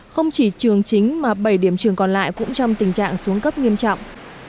không chỉ trường chính mà bảy điểm trường còn lại cũng trong tình trạng xuống cấp nghiêm trọng